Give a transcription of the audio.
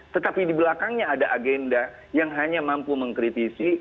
tetapi di belakangnya ada agenda yang hanya mampu mengkritisi